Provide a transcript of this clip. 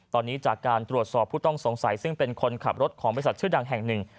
ตอนนี้จากการตรวจสอบผู้ต้องสงสัยซึ่งเป็นคนขับรถของบริษัทชื่อดังแห่งหนึ่ง